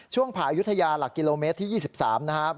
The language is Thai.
ผ่ายุธยาหลักกิโลเมตรที่๒๓นะครับ